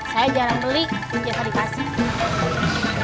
saya jarang beli jasa dikasih